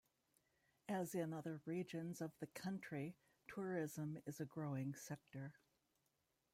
As in other regions of the country, tourism is a growing sector.